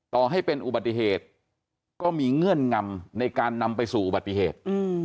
ต่อให้เป็นอุบัติเหตุก็มีเงื่อนงำในการนำไปสู่อุบัติเหตุ